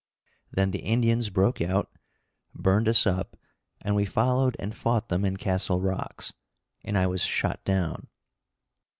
Then the Indians broke out, burned us up and we followed and fought them in Castle rocks, and I was shot down.